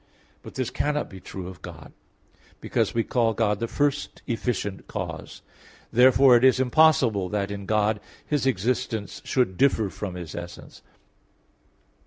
But this cannot be true of God; because we call God the first efficient cause. Therefore it is impossible that in God His existence should differ from His essence.